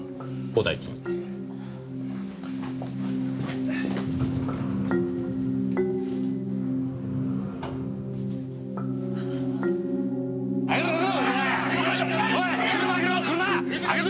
おい！